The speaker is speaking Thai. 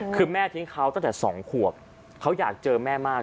คือแม่ทิ้งเขาตั้งแต่๒ขวบเขาอยากเจอแม่มาก